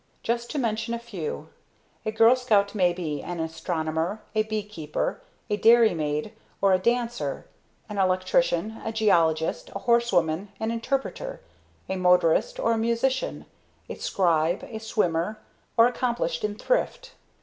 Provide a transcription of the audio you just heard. Just to mention a few: a Girl Scout may be an Astronomer, a Bee keeper, a Dairy maid, or a Dancer, an Electrician, a Geologist, a Horsewoman, an Interpreter, a Motorist or a Musician, a Scribe, a Swimmer or accomplished in Thrift.